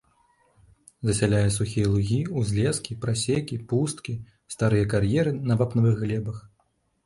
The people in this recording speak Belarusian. Засяляе сухія лугі, узлескі, прасекі, пусткі, старыя кар'еры на вапнавых глебах.